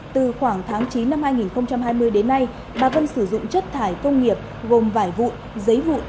từ khoảng tháng chín năm hai nghìn hai mươi đến nay bà vân sử dụng chất thải công nghiệp gồm vải vụn giấy vụ